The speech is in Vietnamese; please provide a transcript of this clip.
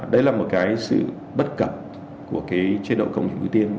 đây là một cái sự bất cập của cái chế độ cộng nhận ưu tiên